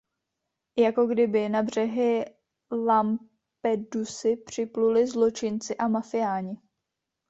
Jako kdyby na břehy Lampedusy připluli zločinci a mafiáni!